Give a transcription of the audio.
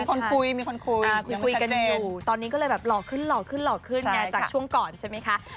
มีคนคุยกันอยู่ตอนนี้ก็เลยหล่อขึ้นจากช่วงก่อนใช่ไหมคะ